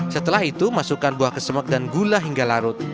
setelah itu masukkan buah kesemak dan gula hingga larut